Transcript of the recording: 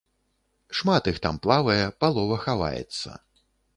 Шмат іх там плавае, палова хаваецца.